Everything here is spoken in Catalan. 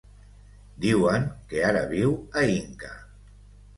Diuen que ara viu a Inca.